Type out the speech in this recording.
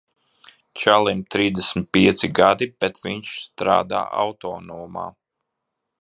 Čalim trīsdesmit pieci gadi, bet viņš strādā autonomā.